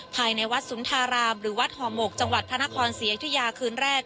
ภายในวัดสุนทารามหรือวัดห่อหมกจังหวัดพระนครศรีอยุธยาคืนแรก